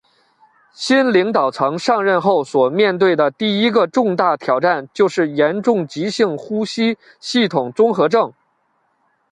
新领导层上任后所面对的第一个重大挑战就是严重急性呼吸系统综合症。